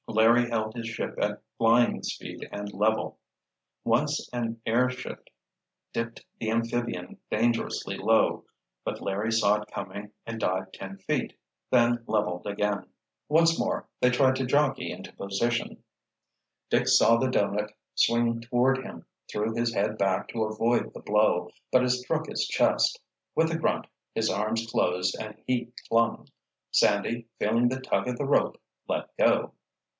Larry held his ship at flying speed and level. Once an air shift dipped the amphibian dangerously low, but Larry saw it coming and dived ten feet, then leveled again. Once more they tried to jockey into position. Dick saw the doughnut swing toward him, threw his head back to avoid the blow, but it struck his chest. With a grunt, his arms closed and he clung. Sandy, feeling the tug of the rope, let go.